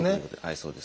そうです。